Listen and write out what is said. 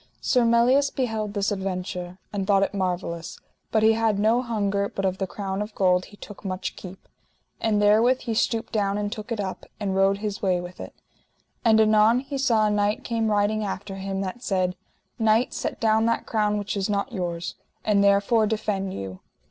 Sir Melias beheld this adventure, and thought it marvellous, but he had no hunger, but of the crown of gold he took much keep; and therewith he stooped down and took it up, and rode his way with it. And anon he saw a knight came riding after him that said: Knight, set down that crown which is not yours, and therefore defend you.